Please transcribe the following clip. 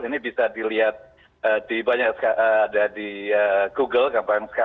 ini bisa dilihat di google